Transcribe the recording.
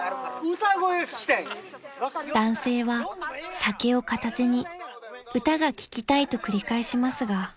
［男性は酒を片手に歌が聴きたいと繰り返しますが］